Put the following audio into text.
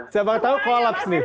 siapa tau collabs nih